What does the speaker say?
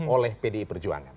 oleh pdi perjuangan